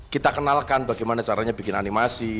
kita kenalkan bagaimana caranya bikin animasi